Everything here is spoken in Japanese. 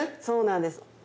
そうなんです。